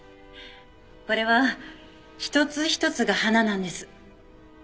これはひとつひとつが花なんです。